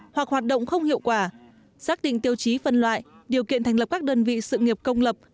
hoặc hoạt động không hiệu quả xác định tiêu chí phân loại điều kiện thành lập các đơn vị sự nghiệp công lập